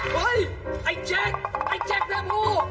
เฮ่ยไอ้แจ็คไอ้แจ็คแม่ผู้